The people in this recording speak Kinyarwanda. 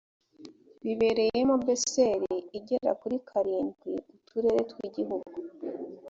bibereyemo bcr igera kuri karindwi uturere tw igihugu